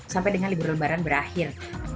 sampai dengan libur lebaran berakhir